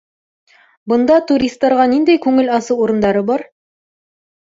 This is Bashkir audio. Бында туристарға ниндәй күңел асыу урындары бар?